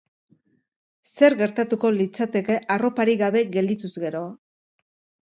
Zer gertatuko litzateke arroparik gabe geldituz gero?